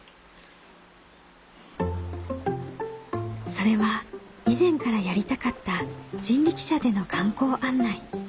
それは以前からやりたかった人力車での観光案内。